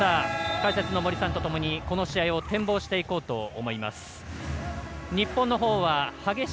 解説の森さんとともにこの試合を展望していこうと思います。